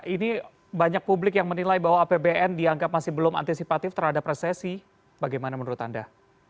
ini banyak publik yang menilai bahwa apbn dianggap masih belum antisipatif terhadap resesi bagaimana menurut anda